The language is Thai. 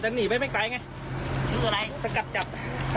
ชื่อโชคชัยสุขิตค่ะโชคชัยสุขิตชื่อเล่นใช่ไหม